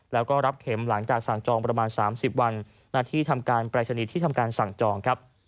แล้วก็รับเข็มหลังจากสั่งจองประมาณ๓๐วันหน้าที่ทำการปรายศนีย์ที่ทำการสั่งจองครับ